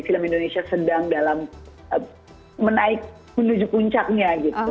film indonesia sedang dalam menaik menuju puncaknya gitu